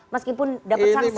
meskipun dapat sanksi lisan